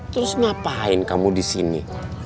terus ngapain kamu disini